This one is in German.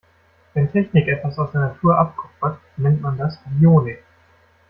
Wenn Technik etwas aus der Natur abkupfert, nennt man das Bionik.